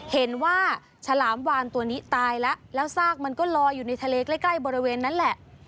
เห็นว่าฉลามวานตัวนี้ตายแล้วแล้วซากมันก็ลอยอยู่ในทะเลใกล้บริเวณนั้นแหละ